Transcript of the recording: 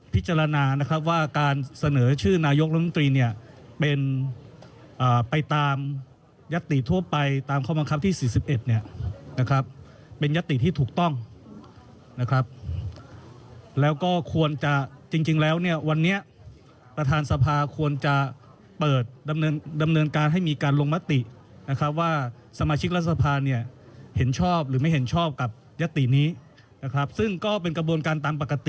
นะครับว่าการเสนอชื่อนายกรมตรีเนี่ยเป็นไปตามยัตติทั่วไปตามข้อบังคับที่๔๑เนี่ยนะครับเป็นยติที่ถูกต้องนะครับแล้วก็ควรจะจริงแล้วเนี่ยวันนี้ประธานสภาควรจะเปิดดำเนินการให้มีการลงมตินะครับว่าสมาชิกรัฐสภาเนี่ยเห็นชอบหรือไม่เห็นชอบกับยตินี้นะครับซึ่งก็เป็นกระบวนการตามปกติ